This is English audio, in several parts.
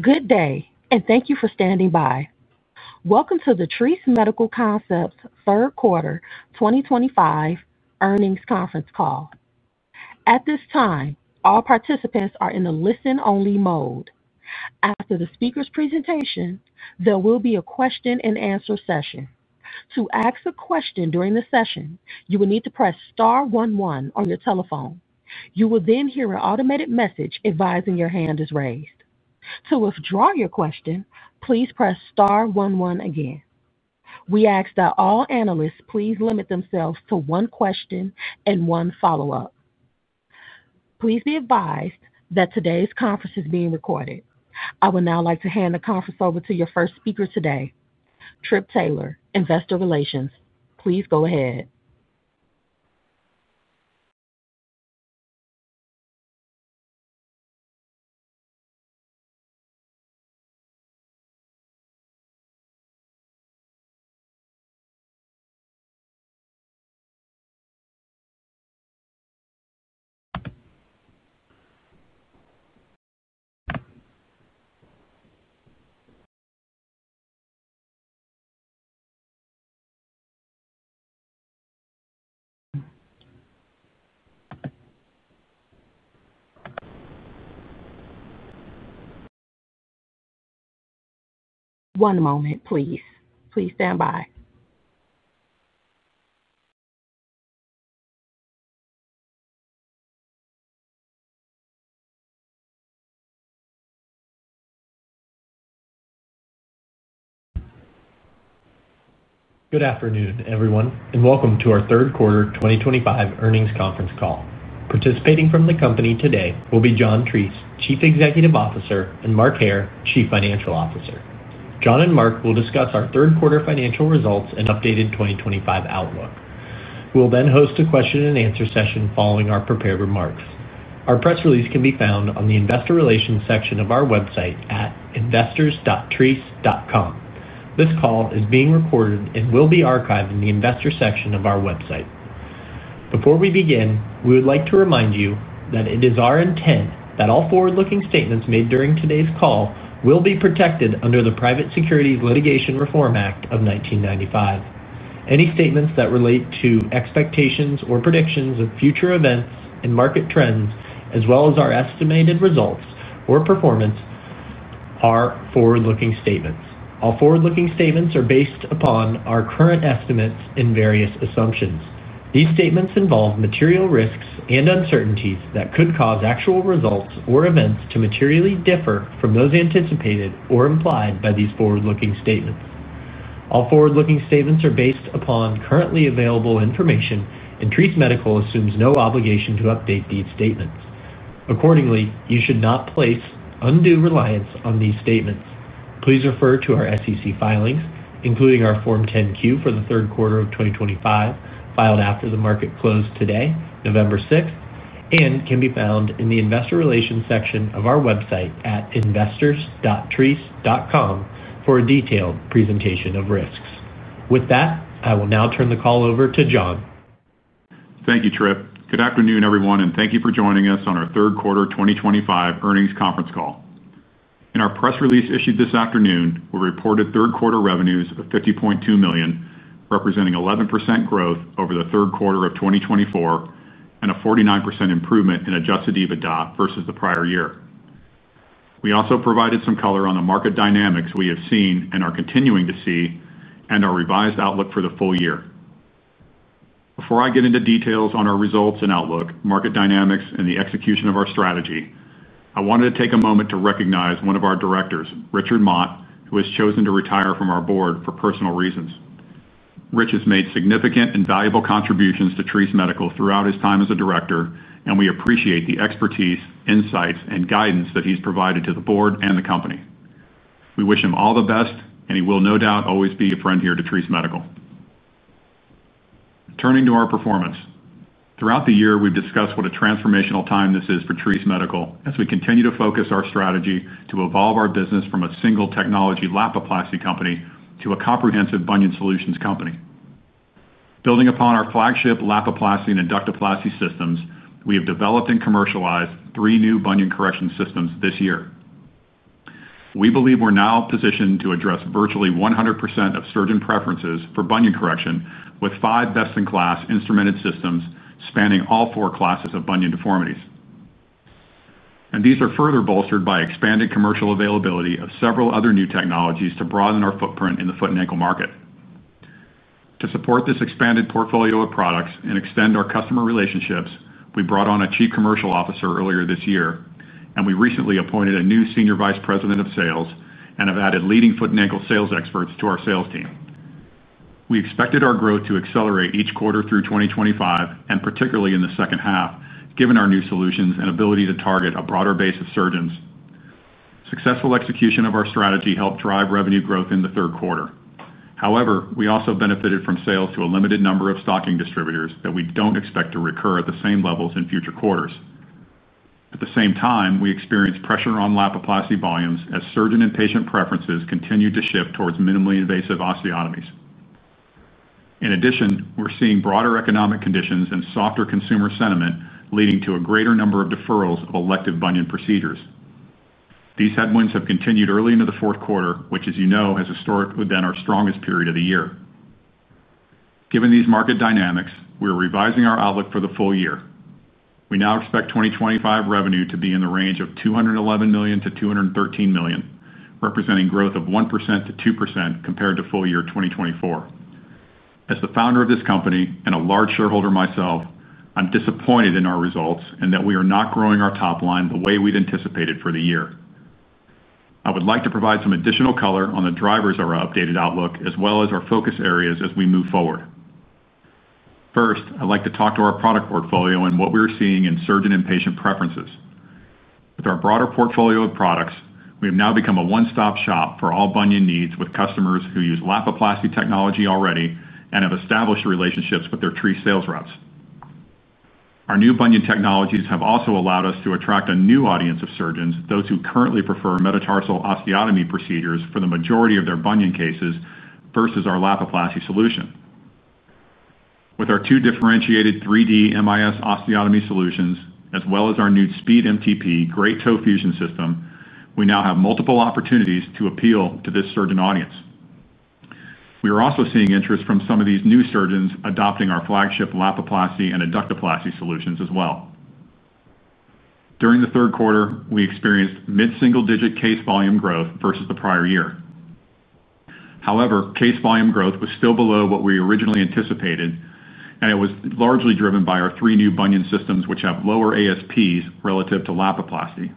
Good day, and thank you for standing by. Welcome to the Treace Medical Concepts third quarter 2025 earnings conference call. At this time, all participants are in the listen-only mode. After the speaker's presentation, there will be a question-and-answer session. To ask a question during the session, you will need to press star one one on your telephone. You will then hear an automated message advising your hand is raised. To withdraw your question, please press star one one again. We ask that all analysts please limit themselves to one question and one follow-up. Please be advised that today's conference is being recorded. I would now like to hand the conference over to your first speaker today, Trip Taylor, Investor Relations. Please go ahead. One moment, please. Please stand by. Good afternoon, everyone, and welcome to our third quarter 2025 earnings conference call. Participating from the company today will be John Treace, Chief Executive Officer, and Mark Hair, Chief Financial Officer. John and Mark will discuss our third quarter financial results and updated 2025 outlook. We'll then host a question-and-answer session following our prepared remarks. Our press release can be found on the Investor Relations section of our website at investors.treace.com. This call is being recorded and will be archived in the investor section of our website. Before we begin, we would like to remind you that it is our intent that all forward-looking statements made during today's call will be protected under the Private Securities Litigation Reform Act of 1995. Any statements that relate to expectations or predictions of future events and market trends, as well as our estimated results or performance, are forward-looking statements. All forward-looking statements are based upon our current estimates and various assumptions. These statements involve material risks and uncertainties that could cause actual results or events to materially differ from those anticipated or implied by these forward-looking statements. All forward-looking statements are based upon currently available information, and Treace Medical assumes no obligation to update these statements. Accordingly, you should not place undue reliance on these statements. Please refer to our SEC filings, including our Form 10-Q for the third quarter of 2025, filed after the market closed today, November 6th, and can be found in the Investor Relations section of our website at investors.treace.com for a detailed presentation of risks. With that, I will now turn the call over to John. Thank you, Trip. Good afternoon, everyone, and thank you for joining us on our third quarter 2025 earnings conference call. In our press release issued this afternoon, we reported third quarter revenues of $50.2 million, representing 11% growth over the third quarter of 2024 and a 49% improvement in Adjusted EBITDA versus the prior year. We also provided some color on the market dynamics we have seen and are continuing to see and our revised outlook for the full year. Before I get into details on our results and outlook, market dynamics, and the execution of our strategy, I wanted to take a moment to recognize one of our directors, Richard Mott, who has chosen to retire from our board for personal reasons. Rich has made significant and valuable contributions to Treace Medical throughout his time as a director, and we appreciate the expertise, insights, and guidance that he's provided to the board and the company. We wish him all the best, and he will no doubt always be a friend here to Treace Medical. Turning to our performance, throughout the year, we've discussed what a transformational time this is for Treace Medical as we continue to focus our strategy to evolve our business from a single technology Lapiplasty company to a comprehensive bunion solutions company. Building upon our flagship Lapiplasty and Adductoplasty systems, we have developed and commercialized three new bunion correction systems this year. We believe we're now positioned to address virtually 100% of surgeon preferences for bunion correction with five best-in-class instrumented systems spanning all four classes of bunion deformities. These are further bolstered by expanded commercial availability of several other new technologies to broaden our footprint in the foot and ankle market. To support this expanded portfolio of products and extend our customer relationships, we brought on a Chief Commercial Officer earlier this year, and we recently appointed a new Senior Vice President of Sales and have added leading foot and ankle sales experts to our sales team. We expected our growth to accelerate each quarter through 2025, and particularly in the second half, given our new solutions and ability to target a broader base of surgeons. Successful execution of our strategy helped drive revenue growth in the third quarter. However, we also benefited from sales to a limited number of stocking distributors that we do not expect to recur at the same levels in future quarters. At the same time, we experienced pressure on Lapiplasty volumes as surgeon and patient preferences continued to shift towards minimally invasive osteotomies. In addition, we're seeing broader economic conditions and softer consumer sentiment leading to a greater number of deferrals of elective bunion procedures. These headwinds have continued early into the fourth quarter, which, as you know, has historically been our strongest period of the year. Given these market dynamics, we're revising our outlook for the full year. We now expect 2025 revenue to be in the range of $211 million-$213 million, representing growth of 1%-2% compared to full year 2024. As the founder of this company and a large shareholder myself, I'm disappointed in our results and that we are not growing our top line the way we'd anticipated for the year. I would like to provide some additional color on the drivers of our updated outlook, as well as our focus areas as we move forward. First, I'd like to talk to our product portfolio and what we're seeing in surgeon and patient preferences. With our broader portfolio of products, we have now become a one-stop shop for all bunion needs with customers who use Lapiplasty technology already and have established relationships with their Treace sales reps. Our new bunion technologies have also allowed us to attract a new audience of surgeons, those who currently prefer metatarsal osteotomy procedures for the majority of their bunion cases versus our Lapiplasty solution. With our two differentiated 3D MIS osteotomy solutions, as well as our new Speed MTP great toe fusion system, we now have multiple opportunities to appeal to this surgeon audience. We are also seeing interest from some of these new surgeons adopting our flagship Lapiplasty and Adductoplasty solutions as well. During the third quarter, we experienced mid-single digit case volume growth versus the prior year. However, case volume growth was still below what we originally anticipated, and it was largely driven by our three new bunion systems, which have lower ASPs relative to Lapiplasty.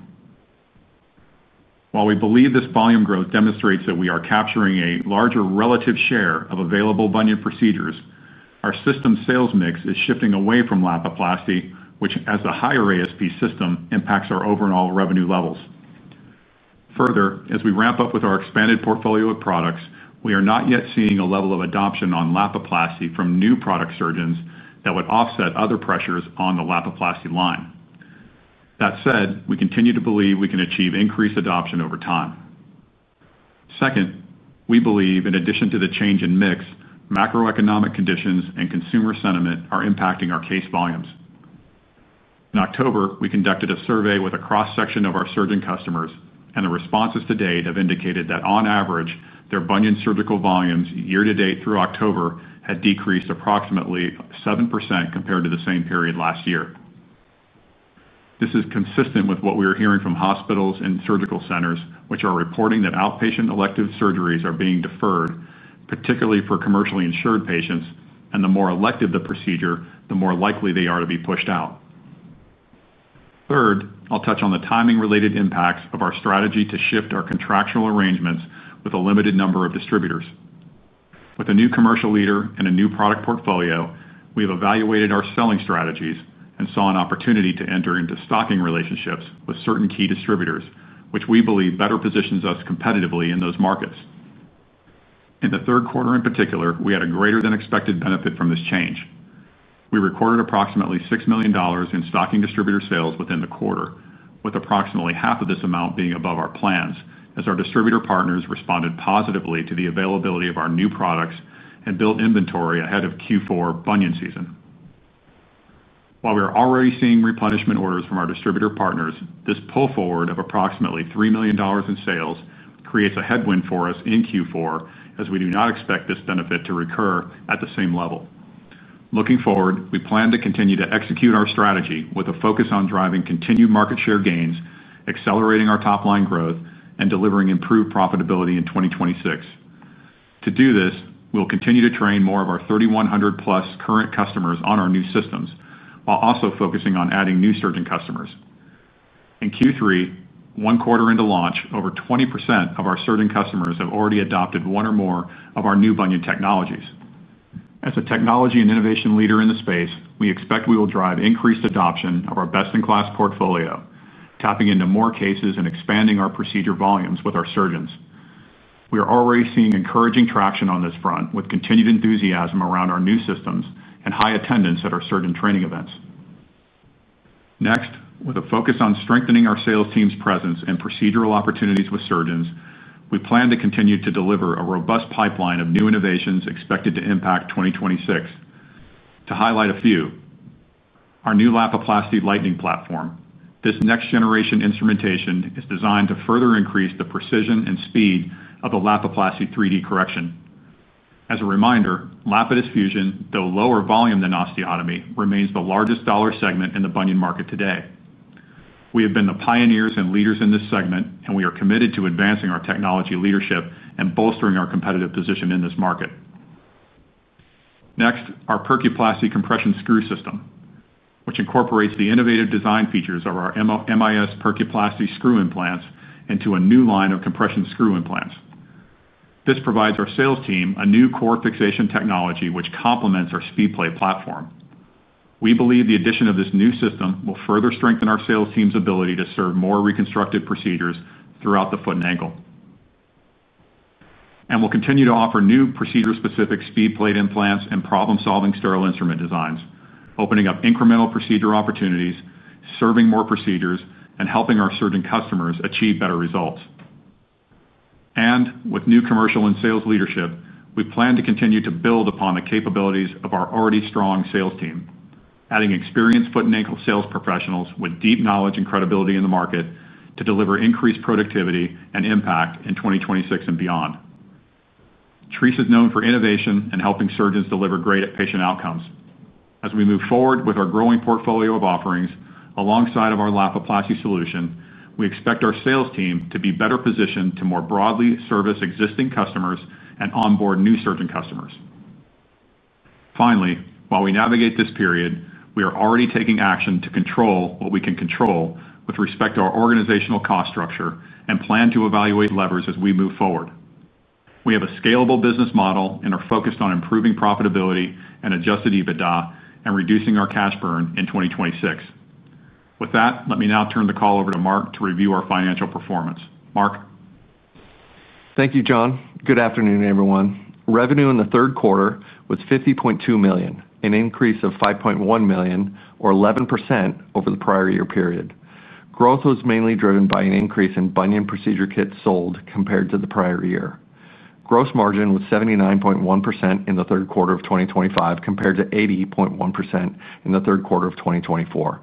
While we believe this volume growth demonstrates that we are capturing a larger relative share of available bunion procedures, our system sales mix is shifting away from Lapiplasty, which, as a higher ASP system, impacts our overall revenue levels. Further, as we ramp up with our expanded portfolio of products, we are not yet seeing a level of adoption on Lapiplasty from new product surgeons that would offset other pressures on the Lapiplasty line. That said, we continue to believe we can achieve increased adoption over time. Second, we believe, in addition to the change in mix, macroeconomic conditions and consumer sentiment are impacting our case volumes. In October, we conducted a survey with a cross-section of our surgeon customers, and the responses to date have indicated that, on average, their bunion surgical volumes year-to-date through October had decreased approximately 7% compared to the same period last year. This is consistent with what we are hearing from hospitals and surgical centers, which are reporting that outpatient elective surgeries are being deferred, particularly for commercially insured patients, and the more elective the procedure, the more likely they are to be pushed out. Third, I'll touch on the timing-related impacts of our strategy to shift our contractual arrangements with a limited number of distributors. With a new commercial leader and a new product portfolio, we have evaluated our selling strategies and saw an opportunity to enter into stocking relationships with certain key distributors, which we believe better positions us competitively in those markets. In the third quarter, in particular, we had a greater-than-expected benefit from this change. We recorded approximately $6 million in stocking distributor sales within the quarter, with approximately half of this amount being above our plans as our distributor partners responded positively to the availability of our new products and built inventory ahead of Q4 bunion season. While we are already seeing replenishment orders from our distributor partners, this pull forward of approximately $3 million in sales creates a headwind for us in Q4, as we do not expect this benefit to recur at the same level. Looking forward, we plan to continue to execute our strategy with a focus on driving continued market share gains, accelerating our top line growth, and delivering improved profitability in 2026. To do this, we'll continue to train more of our 3,100-plus current customers on our new systems while also focusing on adding new surgeon customers. In Q3, one quarter into launch, over 20% of our surgeon customers have already adopted one or more of our new bunion technologies. As a technology and innovation leader in the space, we expect we will drive increased adoption of our best-in-class portfolio, tapping into more cases and expanding our procedure volumes with our surgeons. We are already seeing encouraging traction on this front with continued enthusiasm around our new systems and high attendance at our surgeon training events. Next, with a focus on strengthening our sales team's presence and procedural opportunities with surgeons, we plan to continue to deliver a robust pipeline of new innovations expected to impact 2026. To highlight a few. Our new Lapiplasty Lightning platform, this next-generation instrumentation, is designed to further increase the precision and speed of the Lapiplasty 3D correction. As a reminder, Lapidus fusion, though lower volume than osteotomy, remains the largest dollar segment in the bunion market today. We have been the pioneers and leaders in this segment, and we are committed to advancing our technology leadership and bolstering our competitive position in this market. Next, our Percuplasty compression screw system, which incorporates the innovative design features of our MIS Percuplasty screw implants into a new line of compression screw implants. This provides our sales team a new core fixation technology, which complements our SpeedPlate platform. We believe the addition of this new system will further strengthen our sales team's ability to serve more reconstructed procedures throughout the foot and ankle. We will continue to offer new procedure-specific SpeedPlate implants and problem-solving sterile instrument designs, opening up incremental procedure opportunities, serving more procedures, and helping our surgeon customers achieve better results. With new commercial and sales leadership, we plan to continue to build upon the capabilities of our already strong sales team, adding experienced foot and ankle sales professionals with deep knowledge and credibility in the market to deliver increased productivity and impact in 2026 and beyond. Treace is known for innovation and helping surgeons deliver great patient outcomes. As we move forward with our growing portfolio of offerings alongside our Lapiplasty solution, we expect our sales team to be better positioned to more broadly service existing customers and onboard new surgeon customers. Finally, while we navigate this period, we are already taking action to control what we can control with respect to our organizational cost structure and plan to evaluate levers as we move forward. We have a scalable business model and are focused on improving profitability and Adjusted EBITDA and reducing our cash burn in 2026. With that, let me now turn the call over to Mark to review our financial performance. Mark. Thank you, John. Good afternoon, everyone. Revenue in the third quarter was $50.2 million, an increase of $5.1 million, or 11% over the prior year period. Growth was mainly driven by an increase in bunion procedure kits sold compared to the prior year. Gross margin was 79.1% in the third quarter of 2025 compared to 80.1% in the third quarter of 2024.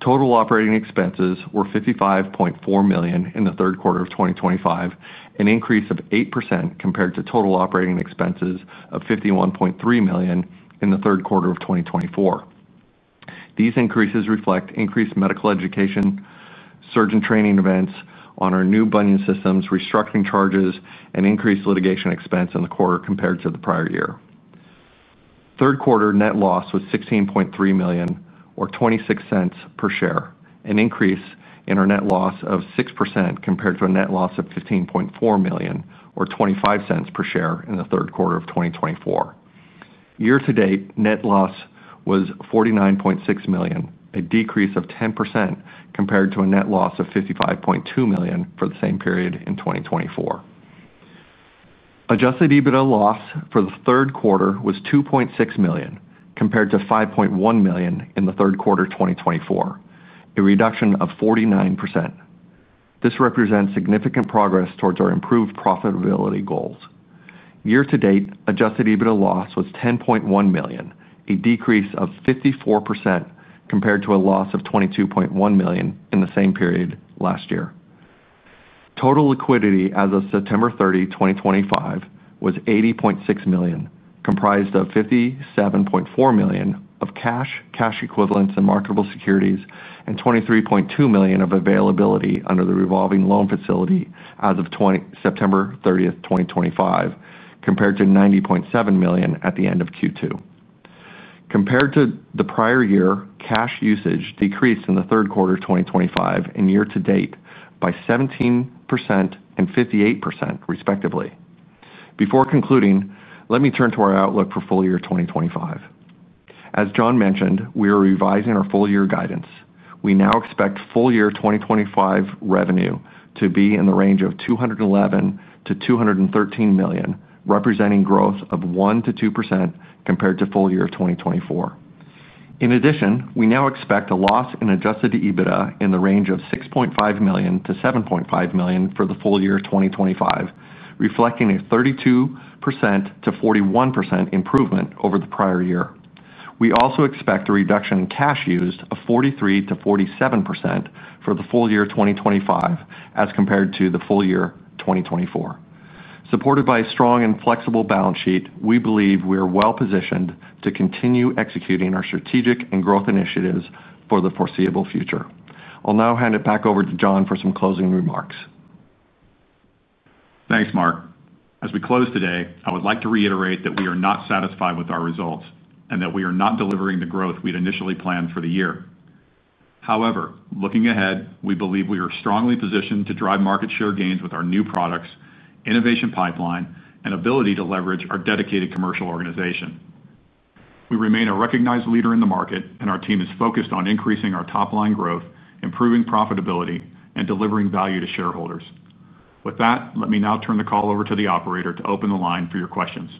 Total operating expenses were $55.4 million in the third quarter of 2025, an increase of 8% compared to total operating expenses of $51.3 million in the third quarter of 2024. These increases reflect increased medical education, surgeon training events on our new bunion systems, restructuring charges, and increased litigation expense in the quarter compared to the prior year. Third quarter net loss was $16.3 million, or $0.26 per share, an increase in our net loss of 6% compared to a net loss of $15.4 million, or $0.25 per share in the third quarter of 2024. Year-to-date net loss was $49.6 million, a decrease of 10% compared to a net loss of $55.2 million for the same period in 2024. Adjusted EBITDA loss for the third quarter was $2.6 million compared to $5.1 million in the third quarter of 2024, a reduction of 49%. This represents significant progress towards our improved profitability goals. Year-to-date Adjusted EBITDA loss was $10.1 million, a decrease of 54% compared to a loss of $22.1 million in the same period last year. Total liquidity as of September 30th, 2025, was $80.6 million, comprised of $57.4 million of cash, cash equivalents, and marketable securities, and $23.2 million of availability under the revolving loan facility as of September 30th, 2025, compared to $90.7 million at the end of Q2. Compared to the prior year, cash usage decreased in the third quarter of 2025 and year-to-date by 17% and 58%, respectively. Before concluding, let me turn to our outlook for full year 2025. As John mentioned, we are revising our full year guidance. We now expect full year 2025 revenue to be in the range of $211 million-$213 million, representing growth of 1%-2% compared to full year 2024. In addition, we now expect a loss in Adjusted EBITDA in the range of $6.5 million-$7.5 million for the full year 2025, reflecting a 32%-41% improvement over the prior year. We also expect a reduction in cash used of 43%-47% for the full year 2025 as compared to the full year 2024. Supported by a strong and flexible balance sheet, we believe we are well-positioned to continue executing our strategic and growth initiatives for the foreseeable future. I'll now hand it back over to John for some closing remarks. Thanks, Mark. As we close today, I would like to reiterate that we are not satisfied with our results and that we are not delivering the growth we'd initially planned for the year. However, looking ahead, we believe we are strongly positioned to drive market share gains with our new products, innovation pipeline, and ability to leverage our dedicated commercial organization. We remain a recognized leader in the market, and our team is focused on increasing our top line growth, improving profitability, and delivering value to shareholders. With that, let me now turn the call over to the operator to open the line for your questions.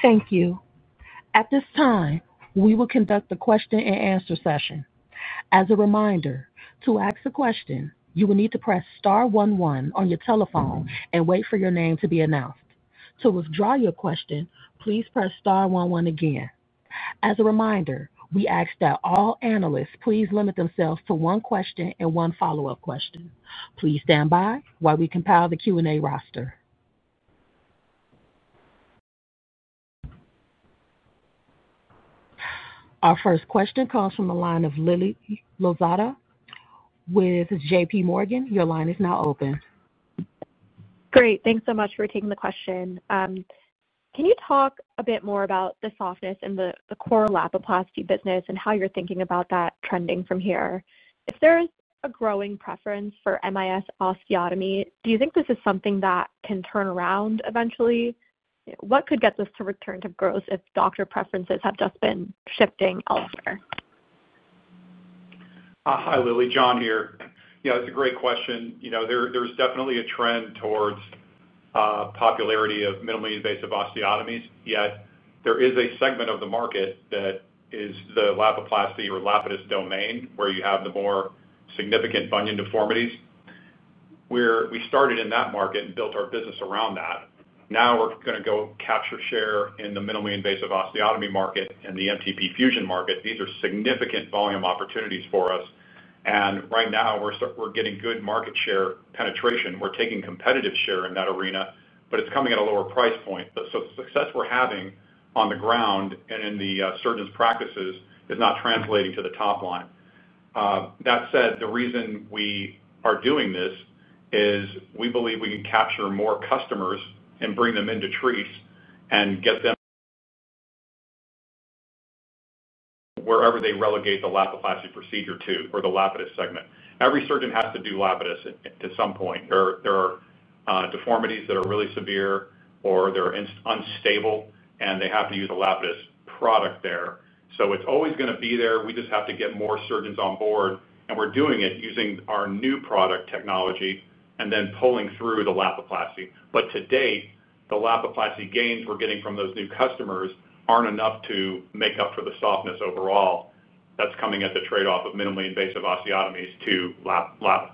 Thank you. At this time, we will conduct the question-and-answer session. As a reminder, to ask a question, you will need to press star one one on your telephone and wait for your name to be announced. To withdraw your question, please press star one one again. As a reminder, we ask that all analysts please limit themselves to one question and one follow-up question. Please stand by while we compile the Q&A roster. Our first question comes from the line of Lily Lozada with JPMorgan. Your line is now open. Great. Thanks so much for taking the question. Can you talk a bit more about the softness in the core Lapiplasty business and how you're thinking about that trending from here? If there's a growing preference for MIS osteotomy, do you think this is something that can turn around eventually? What could get this to return to growth if doctor preferences have just been shifting elsewhere? Hi, Lily. John here. It's a great question. There's definitely a trend towards popularity of minimally invasive osteotomies, yet there is a segment of the market that is the Lapiplasty or Lapidus domain where you have the more significant bunion deformities. We started in that market and built our business around that. Now we're going to go capture share in the minimally invasive osteotomy market and the MTP fusion market. These are significant volume opportunities for us. Right now, we're getting good market share penetration. We're taking competitive share in that arena, but it's coming at a lower price point. The success we're having on the ground and in the surgeon's practices is not translating to the top line. That said, the reason we are doing this is we believe we can capture more customers and bring them into Treace and get them. Wherever they relegate the Lapiplasty procedure to or the Lapidus segment. Every surgeon has to do Lapidus to some point. There are deformities that are really severe or they're unstable, and they have to use a Lapidus product there. It is always going to be there. We just have to get more surgeons on board. We are doing it using our new product technology and then pulling through the Lapiplasty. To date, the Lapiplasty gains we are getting from those new customers are not enough to make up for the softness overall. That is coming at the trade-off of minimally invasive osteotomies to Lapidus.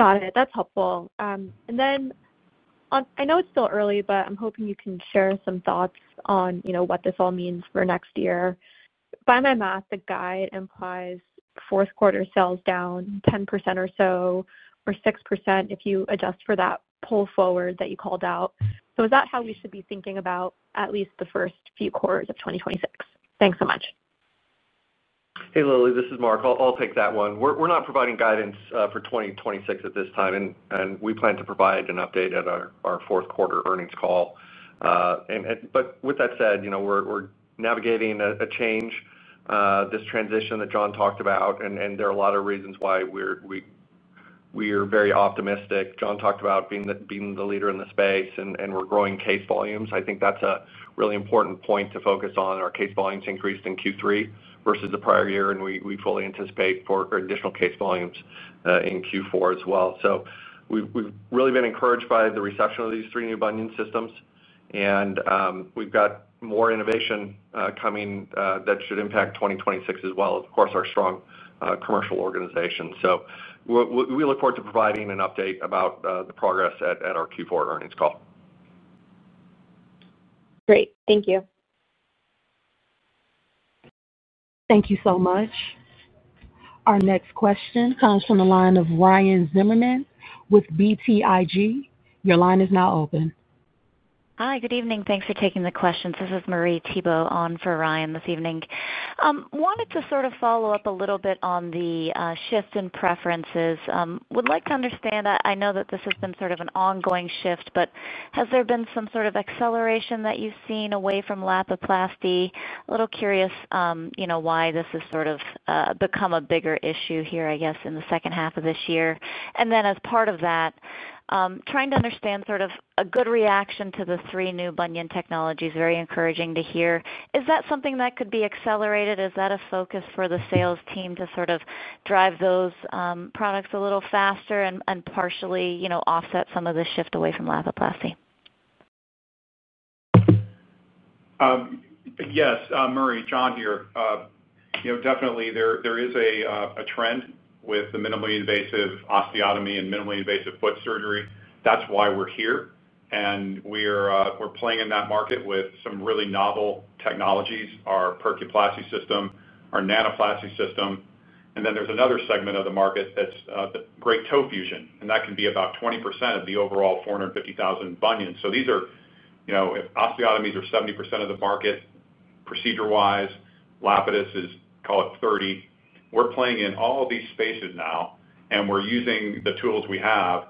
Got it. That's helpful. I know it's still early, but I'm hoping you can share some thoughts on what this all means for next year. By my math, the guide implies fourth quarter sales down 10% or so or 6% if you adjust for that pull forward that you called out. Is that how we should be thinking about at least the first few quarters of 2026? Thanks so much. Hey, Lily. This is Mark. I'll take that one. We're not providing guidance for 2026 at this time, and we plan to provide an update at our fourth quarter earnings call. With that said, we're navigating a change, this transition that John talked about, and there are a lot of reasons why. We are very optimistic. John talked about being the leader in the space, and we're growing case volumes. I think that's a really important point to focus on. Our case volumes increased in Q3 versus the prior year, and we fully anticipate additional case volumes in Q4 as well. We've really been encouraged by the reception of these three new bunion systems, and we've got more innovation coming that should impact 2026 as well, of course, our strong commercial organization. We look forward to providing an update about the progress at our Q4 earnings call. Great. Thank you. Thank you so much. Our next question comes from the line of Ryan Zimmerman with BTIG. Your line is now open. Hi. Good evening. Thanks for taking the questions. This is Marie Thibault on for Ryan this evening. Wanted to sort of follow up a little bit on the shift in preferences. Would like to understand, I know that this has been sort of an ongoing shift, but has there been some sort of acceleration that you've seen away from Lapiplasty? A little curious why this has sort of become a bigger issue here, I guess, in the second half of this year. As part of that, trying to understand sort of a good reaction to the three new bunion technologies, very encouraging to hear. Is that something that could be accelerated? Is that a focus for the sales team to sort of drive those products a little faster and partially offset some of the shift away from Lapiplasty? Yes, Marie. John here. Definitely, there is a trend with the minimally invasive osteotomy and minimally invasive foot surgery. That's why we're here. We're playing in that market with some really novel technologies, our Percuplasty system, our Nanoplasty system. There is another segment of the market that's great toe fusion. That can be about 20% of the overall 450,000 bunions. If osteotomies are 70% of the market procedure-wise, Lapidus is, call it, 30%. We're playing in all of these spaces now, and we're using the tools we have.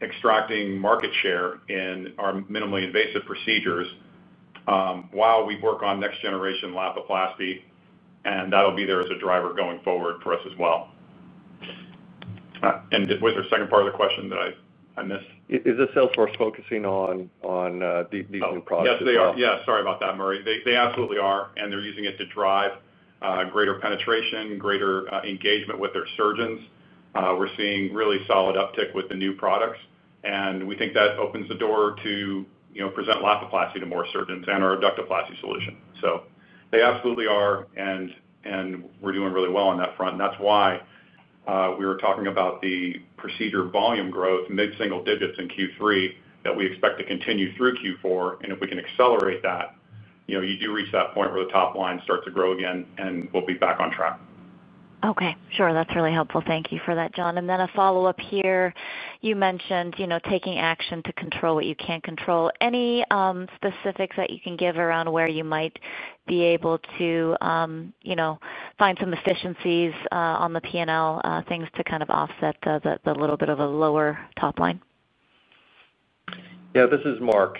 Extracting market share in our minimally invasive procedures while we work on next-generation Lapiplasty. That'll be there as a driver going forward for us as well. Was there a second part of the question that I missed? Is Salesforce focusing on these new products? Yes, they are. Yeah. Sorry about that, Marie. They absolutely are. They're using it to drive greater penetration, greater engagement with their surgeons. We're seeing really solid uptick with the new products. We think that opens the door to present Lapiplasty to more surgeons and our Adductoplasty solution. They absolutely are, and we're doing really well on that front. That's why we were talking about the procedure volume growth, mid-single digits in Q3, that we expect to continue through Q4. If we can accelerate that, you do reach that point where the top line starts to grow again, and we'll be back on track. Okay. Sure. That's really helpful. Thank you for that, John. Then a follow-up here. You mentioned taking action to control what you can't control. Any specifics that you can give around where you might be able to find some efficiencies on the P&L, things to kind of offset the little bit of a lower top line? Yeah. This is Mark.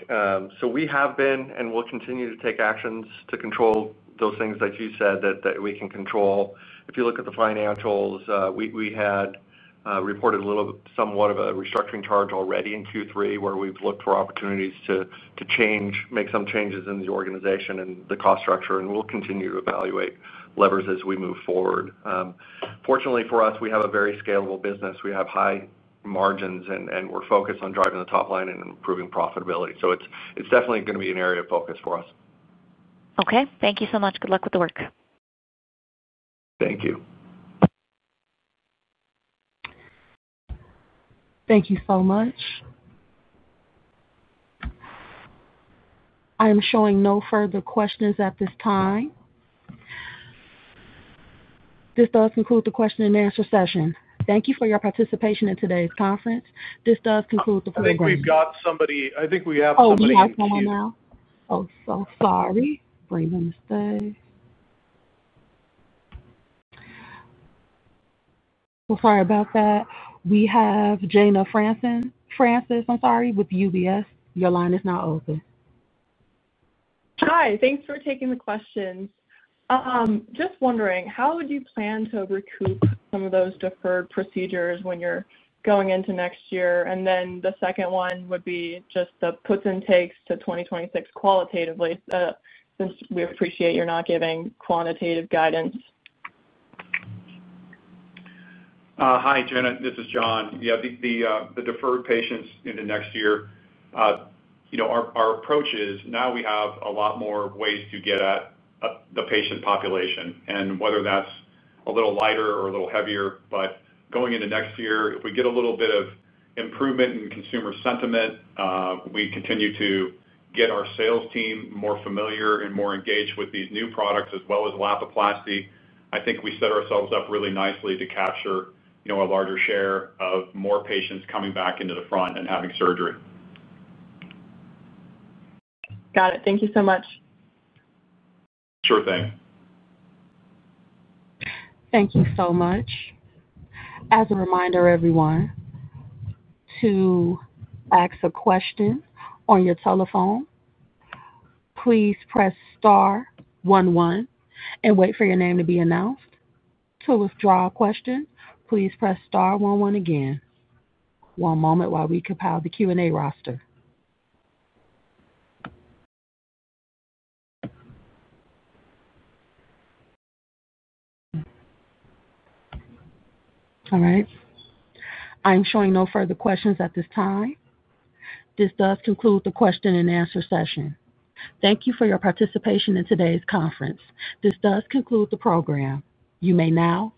We have been and will continue to take actions to control those things that you said that we can control. If you look at the financials, we had reported somewhat of a restructuring charge already in Q3 where we've looked for opportunities to make some changes in the organization and the cost structure. We'll continue to evaluate levers as we move forward. Fortunately for us, we have a very scalable business. We have high margins, and we're focused on driving the top line and improving profitability. It's definitely going to be an area of focus for us. Okay. Thank you so much. Good luck with the work. Thank you. Thank you so much. I am showing no further questions at this time. This does conclude the question-and-answer session. Thank you for your participation in today's conference. This does conclude the program. I think we have somebody. I think we have somebody. Oh, she has someone now. Oh, so sorry. Bring them to stay. Sorry about that. We have Jayna Francis with UBS. Your line is now open. Hi. Thanks for taking the questions. Just wondering, how would you plan to recoup some of those deferred procedures when you're going into next year? The second one would be just the puts and takes to 2026 qualitatively. Since we appreciate you're not giving quantitative guidance. Hi, Jayna. This is John. Yeah. The deferred patients into next year. Our approach is now we have a lot more ways to get at the patient population, and whether that's a little lighter or a little heavier. Going into next year, if we get a little bit of improvement in consumer sentiment, we continue to get our sales team more familiar and more engaged with these new products as well as Lapiplasty. I think we set ourselves up really nicely to capture a larger share of more patients coming back into the front and having surgery. Got it. Thank you so much. Sure thing. Thank you so much. As a reminder, everyone. To ask a question on your telephone, please press star one one and wait for your name to be announced. To withdraw a question, please press star one one again. One moment while we compile the Q&A roster. All right. I am showing no further questions at this time. This does conclude the question-and-answer session. Thank you for your participation in today's conference. This does conclude the program. You may now.